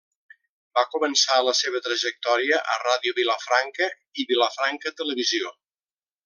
Va començar la seva trajectòria a Ràdio Vilafranca i Vilafranca Televisió.